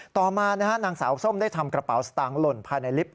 ต่อมานางสาวส้มได้ทำกระเป๋าสตางคลนภายในลิฟต